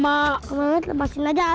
bang mehmet lepasin aja ah